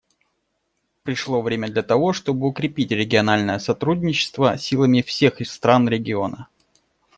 Пришло время для того, чтобы укрепить региональное сотрудничество силами всех стран региона.